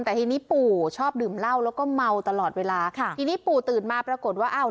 แต่ทีนี้ปู่ชอบดื่มเหล้าแล้วก็เมาตลอดเวลาค่ะทีนี้ปู่ตื่นมาปรากฏว่าอ้าว